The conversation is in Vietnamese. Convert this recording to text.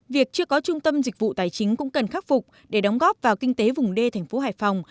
việc chưa có trung tâm dịch vụ tài chính cũng cần khắc phục để đóng góp vào kinh tế vùng d thành phố hải phòng